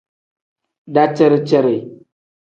Daciri-ciri.